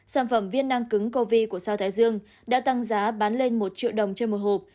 sản phẩm viên năng cứng covid của sao thái dương đã tăng giá bán lên một triệu đồng trên một hộp